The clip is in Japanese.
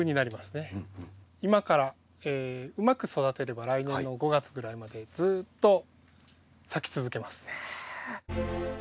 今からうまく育てれば来年の５月ぐらいまでずっと咲き続けます。